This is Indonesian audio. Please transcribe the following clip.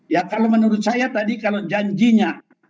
ya kalau menurut saya tadi kalau janjinya